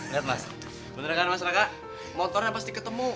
lihat mas bener kan mas raka motornya pasti ketemu